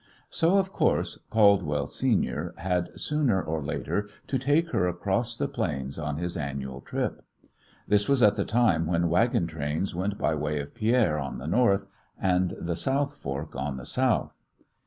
So, of course, Caldwell senior had, sooner or later, to take her across the plains on his annual trip. This was at the time when wagon trains went by way of Pierre on the north, and the South Fork on the south.